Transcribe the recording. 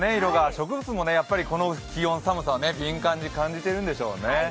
植物も、この気温、寒さは敏感に感じているんでしょうね。